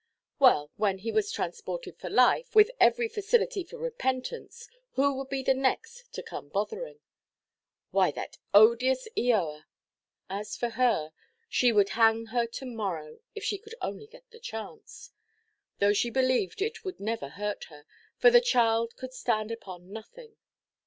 Well, when he was transported for life, with every facility for repentance, who would be the next to come bothering? Why, that odious Eoa. As for her, she would hang her to–morrow, if she could only get the chance. Though she believed it would never hurt her; for the child could stand upon nothing.